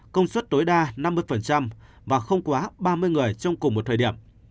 công suất tối đa năm mươi và không quá ba mươi người trong cùng một thời điểm